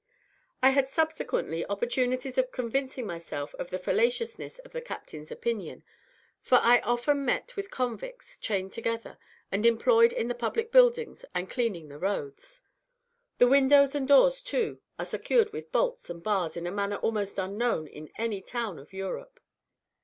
I had subsequently opportunities of convincing myself of the fallaciousness of the captain's opinion, for I often met with convicts, chained together, and employed in the public buildings and cleaning the roads. The windows and doors, too, are secured with bolts and bars in a manner almost unknown in any town of Europe.